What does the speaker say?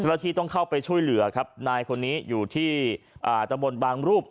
ละที่ต้องเข้าไปช่วยเหลือครับนายคนนี้อยู่ที่อ่าตะบนบางรูป